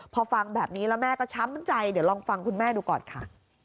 พอฟังแบบนี้แล้วแม่ก็ช้ำใจเดี๋ยวลองฟังคุณแม่ดูก่อนค่ะ